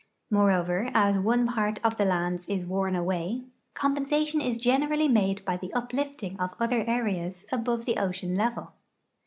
^Moreover, as one part of the lands is worn away, compensation is generally made by the uplifting of other areas above the ocean level.